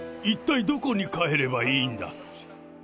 一体どこに帰ればいいんだ。